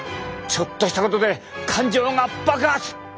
ちょっとしたことで感情が爆発！